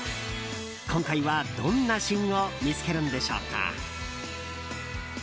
今回は、どんな旬を見つけるんでしょうか。